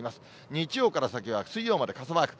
日曜から先は水曜まで傘マーク。